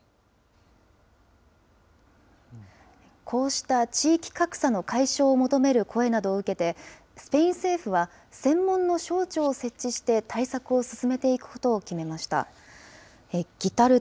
こうした地域格差の解消を求める声などを受けて、スペイン政府は、専門の省庁を設置して、対策を進めていくことを決めました。